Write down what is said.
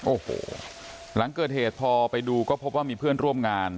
โอ้โหหลังเกิดเหตุพอไปดูก็พบว่ามีเพื่อนร่วมงาน